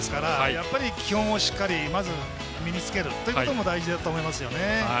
やっぱり基本をしっかりまず身につけることが大事だと思います。